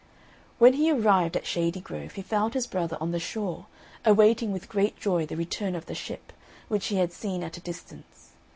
When he arrived at Shady Grove, he found his brother on the shore, awaiting with great joy the return of the ship, which he had seen at a distance.